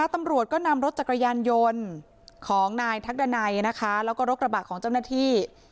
ตำรวจก็นำรถจักรยานยนต์ของนายทักดันัยนะคะแล้วก็รถกระบะของเจ้าหน้าที่